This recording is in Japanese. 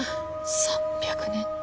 ３００年。